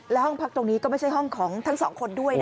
แล้วห้องพักตรงนี้ก็ไม่ใช่ห้องของทั้งสองคนด้วยนะ